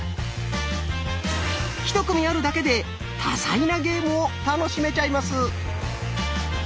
１組あるだけで多彩なゲームを楽しめちゃいます。